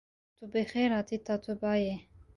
Tu bi xêr hatî Tatoebayê!